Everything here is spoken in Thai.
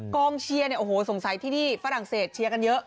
กองเชียร์เนี่ยโอ้โหสงสัยที่นี่ฝรั่งเศสเชียร์กันเยอะ